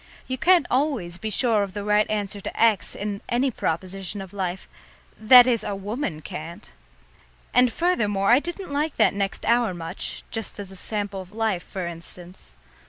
You can't always be sure of the right answer to X in any proposition of life; that is, a woman can't! And, furthermore, I didn't like that next hour much, just as a sample of life, for instance.